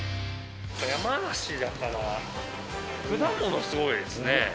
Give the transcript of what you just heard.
山梨だから、果物、すごいですね。